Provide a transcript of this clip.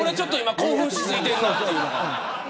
興奮し過ぎてるなって。